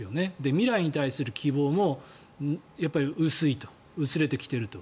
未来に対する希望も薄れてきていると。